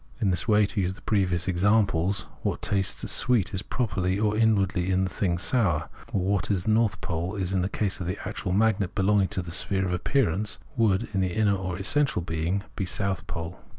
In this way, to use the previous examples, what tastes sweet is properly, or inwardly in the thing, sour ; or what is north pole in the case of the actual magnet belonging to the sphere of appearance, would be, in the inner or essential being, south pole.